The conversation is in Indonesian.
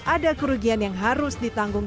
ada kerugian yang harus ditanggung